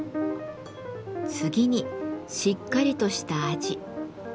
次にしっかりとした味。